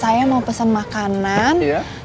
saya mau pesen makanan